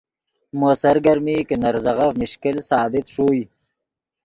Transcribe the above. مو سرگرمی کہ نے ریزغف مشکل ثابت ݰوئے